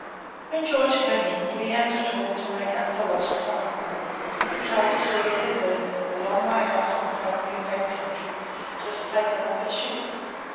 When George came in he began to talk to make up for lost time, and told us where he had been a long way out in some new back country, just taken up with sheep.